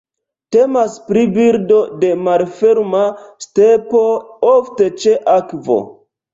Temas pri birdo de malferma stepo, ofte ĉe akvo.